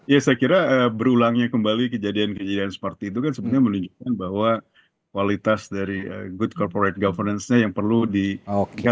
ya saya kira berulangnya kembali kejadian kejadian seperti itu kan sebenarnya menunjukkan bahwa kualitas dari good corporate governance nya yang perlu diingatkan